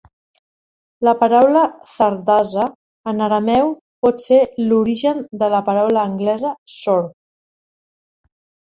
La paraula "zardasa" en arameu pot ser l"origen de la paraula anglesa "sorb".